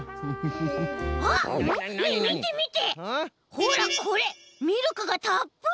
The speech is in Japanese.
ほらこれミルクがたっぷり！